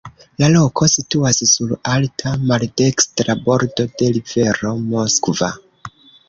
La loko situas sur alta maldekstra bordo de rivero Moskva.